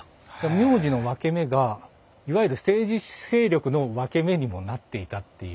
名字のワケメがいわゆる政治勢力のワケメにもなっていたっていう。